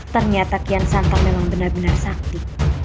ternyata kian santo memang benar benar sakti